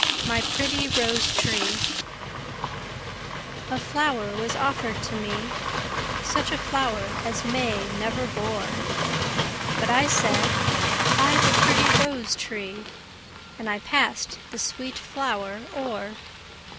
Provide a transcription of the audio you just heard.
MY PRETTY ROSE TREE A flower was offered to me, Such a flower as May never bore; But I said, 'I've a pretty rose tree,' And I passed the sweet flower o'er.